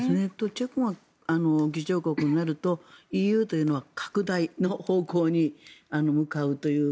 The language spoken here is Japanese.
チェコが議長国になるとＥＵというのは拡大の方向に向かうという。